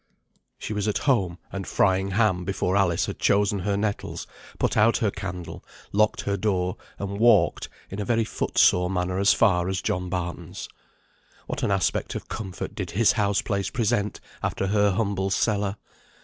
She was at home, and frying ham, before Alice had chosen her nettles, put out her candle, locked her door, and walked in a very foot sore manner as far as John Barton's. What an aspect of comfort did his houseplace present, after her humble cellar.